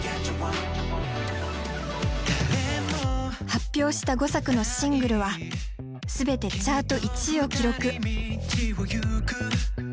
発表した５作のシングルは全てチャート１位を記録。